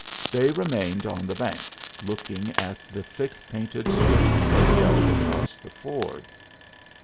They remained on the bank, looking at the thick painted swarm that yelled across the ford.